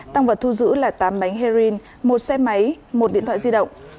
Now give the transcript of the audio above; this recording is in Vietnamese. tăng vật thu giữ là tám bánh heroin một xe máy một điện thoại di động